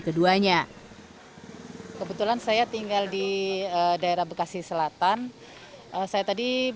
keduanya kebetulan saya tinggal di daerah bekasi selatan dan saya juga mengambil ujian di kota bekasi selatan